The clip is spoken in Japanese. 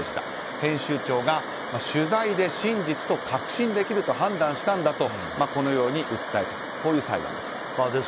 編集長が取材で真実と確信できると判断したんだと訴えたという裁判です。